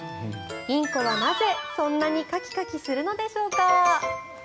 インコはなぜそんなにカキカキするのでしょうか。